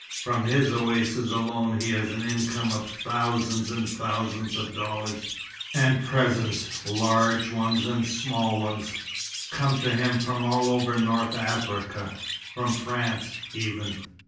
From his oasis alone he has an income of thousands and thousands of dollars; and presents large ones and small ones come to him from all over North Africa from France, even.